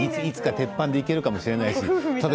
いつか鉄板でいけるかもしれないしね。